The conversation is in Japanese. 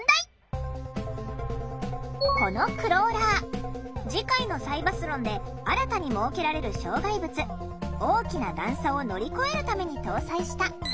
このクローラー次回のサイバスロンで新たに設けられる障害物大きな段差を乗り越えるために搭載した。